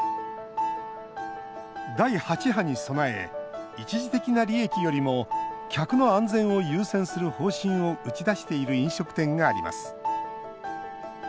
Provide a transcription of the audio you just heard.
第８波に備え一時的な利益よりも客の安全を優先する方針を打ち出している飲食店があります。